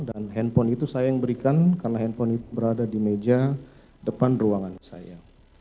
dan handphone itu saya yang berikan karena handphone itu berada di meja depan ruangan saya